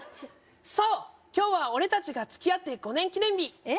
そう今日は俺達が付き合って５年記念日えっ？